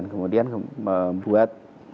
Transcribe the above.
dan kemudian membuat hal yang tidak ada dikesankan ada